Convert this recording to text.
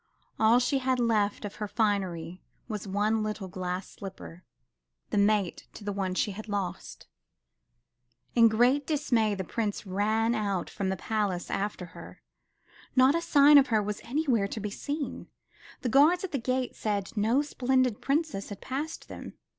All she had left of her finery was one little glass slipper, the mate to the one she had lost. In great dismay, the Prince ran out from the palace after her. Not a sign of her was anywhere to be seen. The guards at the gate said no splendid Princess had passed them.